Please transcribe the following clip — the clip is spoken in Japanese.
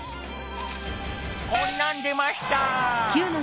こんなん出ました。